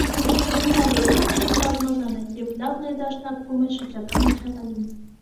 Գունավորումը խիստ բազմազան է և լավ ներդաշնակվում է շրջակա միջավայրին։